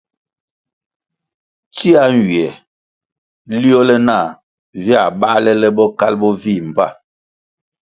Tsia nywie liole nah via bālè le Bokalʼ bo vih mbpa.